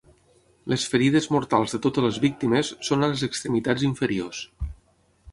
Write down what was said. Les ferides mortals de totes les víctimes són a les extremitats inferiors.